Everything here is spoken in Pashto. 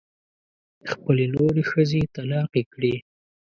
خپلې نورې ښځې طلاقې کړې.